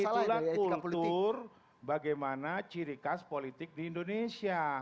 itulah kultur bagaimana ciri khas politik di indonesia